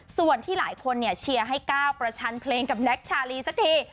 ส่วนที่หลายคนเนี่ยเชียร์ให้ก้าวประชันเพลงกับแน็กชาลีสักที